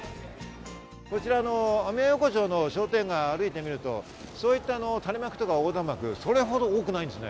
こちらのアメヤ横丁の商店街を歩いてみると、垂れ幕とか横断幕、それほど多くないんですよね。